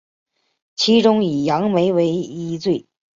其中以杨梅为一最。